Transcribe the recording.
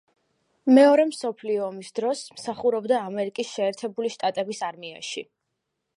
მეორე მსოფლიო ომის დროს მსახურობდა ამერიკის შეერთებული შტატების არმიაში.